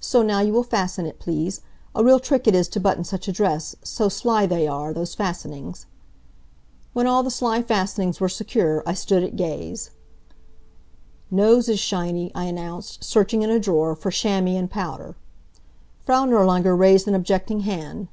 So, now you will fasten it please. A real trick it is to button such a dress so sly they are, those fastenings." When all the sly fastenings were secure I stood at gaze. "Nose is shiny," I announced, searching in a drawer for chamois and powder. Frau Nirlanger raised an objecting hand.